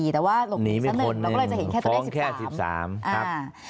แต่ว่าหลงผิดสักหนึ่งเราก็เลยจะเห็นเท่าไหร่๑๓